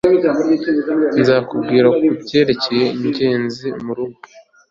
Nzakubwira kubyerekeye ngeze murugo